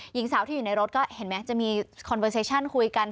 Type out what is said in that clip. หญิงสาวที่อยู่ในรถก็เห็นไหมจะมีคอนเวอร์เซชั่นคุยกัน